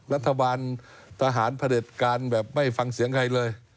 รัฐบาลทหารพระเด็จการแบบไม่ฟังเสียงใครเลย